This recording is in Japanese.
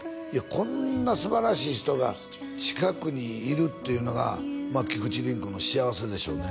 こんなすばらしい人が近くにいるっていうのが菊地凛子の幸せでしょうね